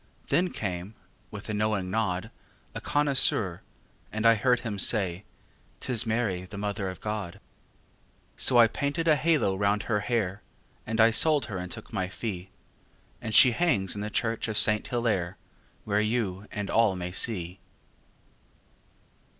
Then came, with a knowing nod, A connoisseur, and I heard him say; "'Tis Mary, the Mother of God." So I painted a halo round her hair, And I sold her and took my fee, And she hangs in the church of Saint Hillaire, Where you and all may see.